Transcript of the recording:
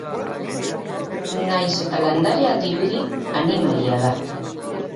Nahiz eta landarea dirudi, animalia da.